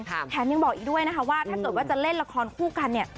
แถมยังบอกอีกด้วยนะคะว่าถ้าเกิดว่าจะเล่นละครคู่กันเนี่ย